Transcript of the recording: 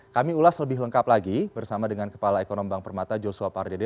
kami ulas lebih lengkap lagi bersama dengan kepala ekonomi bank permata joshua pardede